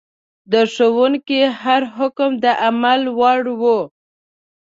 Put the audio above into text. د ښوونکي هر حکم د عمل وړ و.